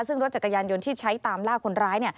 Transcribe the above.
ซึ่งรถจักรยานยนต์ที่ใช้ตามล่าคนร้าย